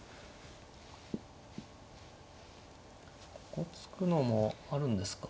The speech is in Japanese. ここ突くのもあるんですか？